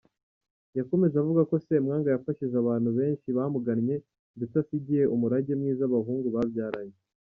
Yakomeje avuga ko Semwaga yafashije abantu benshi bamugannye ndetse asigiye umurage mwiza abahungu babyaranye.